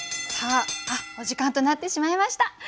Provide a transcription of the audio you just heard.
さあお時間となってしまいました。